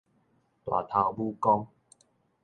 大頭拇公